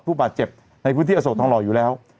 ผู้บาดเจ็บในพื้นที่อโศกทองหล่ออยู่แล้ว